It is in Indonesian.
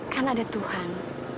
kan ada tuhan